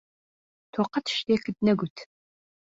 تۆ قەت شتێکت نەگوت.